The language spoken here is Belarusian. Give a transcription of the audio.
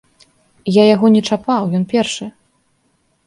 Я яго не чапаў, ён першы.